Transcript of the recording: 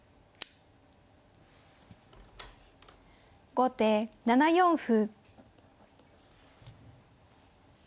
後手７四歩。